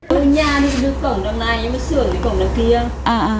ông nhà đi được cổng đằng này mà xưởng thì cổng đằng kia